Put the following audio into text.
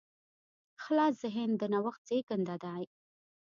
خلاص ذهن د نوښت زېږنده دی.